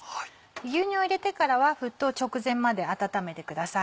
牛乳を入れてからは沸騰直前まで温めてください。